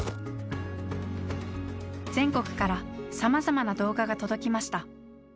全国からさまざまな動画が届きました。